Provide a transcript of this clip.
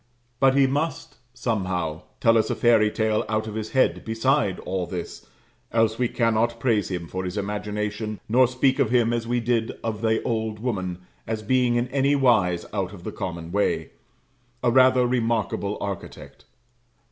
But he must, somehow, tell us a fairy tale out of his head beside all this, else we cannot praise him for his imagination, nor speak of him as we did of the old woman, as being in any wise out of the common way, a rather remarkable architect.